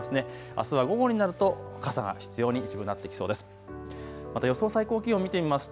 あすは午後になると傘が必要になってきそうです。